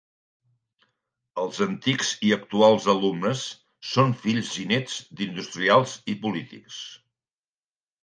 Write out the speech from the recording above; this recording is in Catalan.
Els antics i actuals alumnes són fills i nets, d'industrials i polítics.